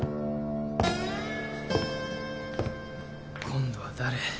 今度は誰？